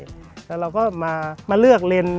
แล้วเราก็มาเลือกเล่น